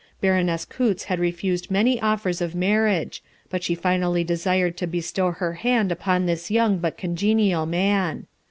Baroness Coutts had refused many offers of marriage, but she finally desired to bestow her hand upon this young but congenial man.